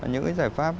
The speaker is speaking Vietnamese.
những cái giải pháp